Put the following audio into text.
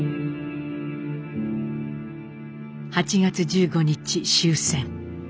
８月１５日終戦。